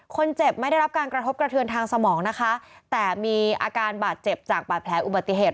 คนเจ็บไม่ได้รับการกระทบกระเทือนทางสมองนะคะแต่มีอาการบาดเจ็บจากบาดแผลอุบัติเหตุ